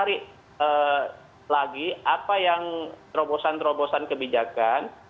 cari lagi apa yang terobosan terobosan kebijakan